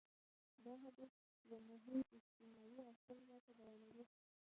دا حديث يو مهم اجتماعي اصول راته بيانوي.